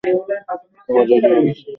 খাবার রেডি হয়ে গেছে।